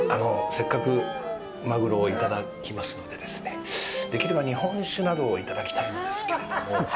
せっかくマグロをいただきますのでできれば日本酒などをいただきたいのですけれども。